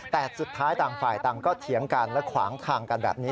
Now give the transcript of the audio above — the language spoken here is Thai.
แต่สุดท้ายต่างฝ่ายต่างก็เถียงกันและขวางทางกันแบบนี้